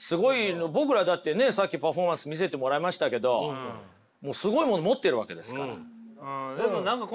僕らだってねさっきパフォーマンス見せてもらいましたけどもうすごいもの持ってるわけですから。